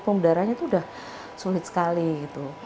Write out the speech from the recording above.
udaranya itu sudah sulit sekali gitu